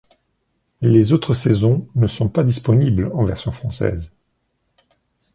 Les autres saisons ne sont pas disponibles en version française.